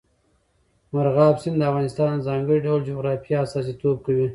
مورغاب سیند د افغانستان د ځانګړي ډول جغرافیه استازیتوب کوي.